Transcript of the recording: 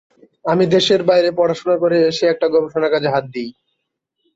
আমি দেশের বাইরে পড়াশোনা করে এসে একটা গবেষণার কাজে হাত দিই।